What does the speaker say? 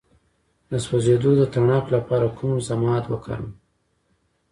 د سوځیدو د تڼاکو لپاره کوم ضماد وکاروم؟